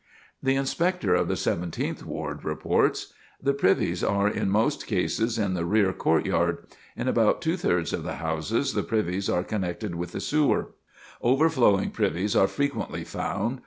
The Inspector of the Seventeenth Ward reports: "The privies are in most cases in the rear court yard. In about two thirds of the houses the privies are connected with the sewer. Overflowing privies are frequently found.